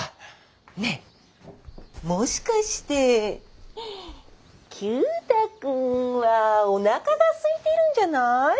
ねえもしかして九太君はおなかがすいてるんじゃない？